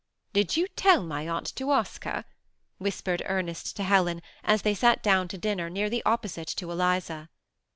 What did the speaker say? " Did you tell my aunt to ask her ?" whispered Er nest to Helen, as they sat down to dinner nearly oppo site to Eliza.